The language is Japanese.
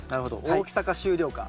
大きさか収量か。